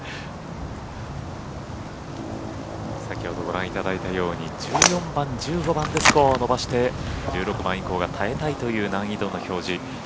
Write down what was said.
先ほどご覧いただいたように１４番、１５番でスコアを伸ばして１６番以降は耐えたいという難易度の表示。